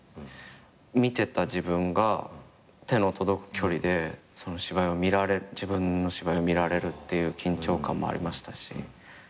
見てた自分が手の届く距離で自分の芝居を見られるっていう緊張感もありましたし。